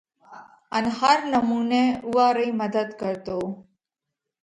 ان هر نمُونئہ اُوئا رئِي مڌت ڪرتو۔